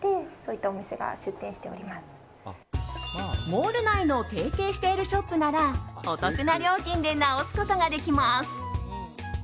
モール内の提携しているショップならお得な料金で直すことができます。